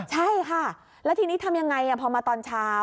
ใช่ค่ะแล้วทีนี้ทำยังไงพอมาตอนเช้า